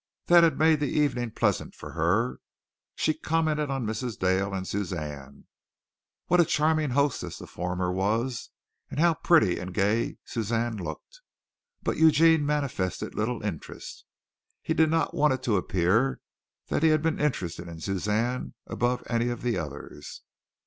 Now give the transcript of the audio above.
That had made the evening pleasant for her. She commented on Mrs. Dale and Suzanne, what a charming hostess the former was and how pretty and gay Suzanne looked, but Eugene manifested little interest. He did not want it to appear that he had been interested in Suzanne above any of the others.